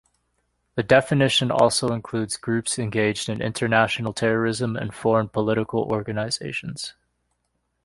The definition also includes groups engaged in international terrorism and foreign political organizations.